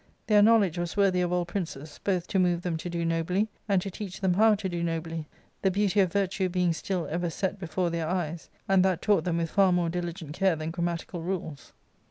Their " knowledge was worthy of all princes, both to move them to do nobly and to teach them how to do nobly, the beauty of Virtue being still [ever] set before their eyes, and that taught them with far more diligent care than grammatical rulies."